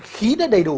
khí nó đầy đủ